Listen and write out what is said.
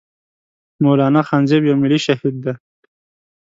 مولانا خانزيب يو ملي شهيد دی